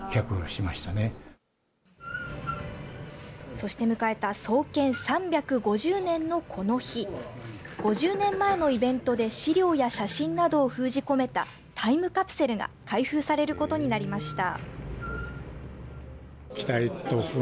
そして迎えた創建３５０年のこの日５０年前のイベントで資料や写真などを封じ込めたタイムカプセルが開封されることになりました。